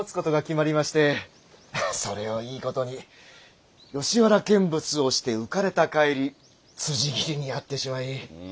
それをいいことに吉原見物をして浮かれた帰り辻斬りに遭ってしまい。